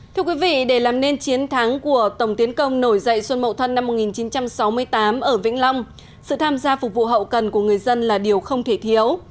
thưa quý vị để làm nên chiến thắng của tổng tiến công nổi dậy xuân mậu thân năm một nghìn chín trăm sáu mươi tám ở vĩnh long sự tham gia phục vụ hậu cần của người dân là điều không thể thiếu